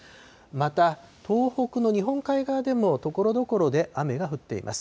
また、東北の日本海側でもところどころで雨が降っています。